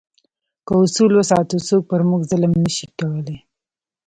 که اصول وساتو، څوک پر موږ ظلم نه شي کولای.